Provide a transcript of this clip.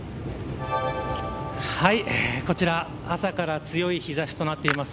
こちら、朝から強い日差しとなっています。